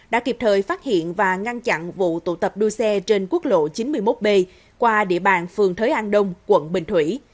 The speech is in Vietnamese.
đã kịp thời phát hiện và ngăn chặn vụ tụ tập đua xe trên quốc lộ chín mươi một b qua địa bàn phường thới an đông quận bình thủy